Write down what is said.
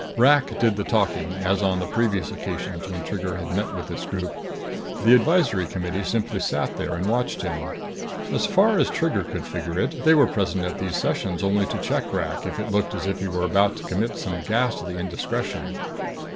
Rak did the talking, as on the previous occasions when Trigger had met with this group. The advisory committee simply sat there and watched him. As far as Trigger could figure it, they were present at these sessions only to check Rak if it looked as if he were about to commit some ghastly indiscretion.